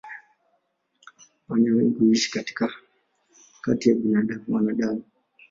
Panya wengi huishi kati ya wanadamu.